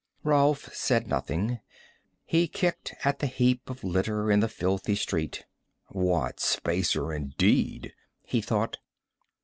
Rolf said nothing. He kicked at the heap of litter in the filthy street. What spacer indeed? he thought.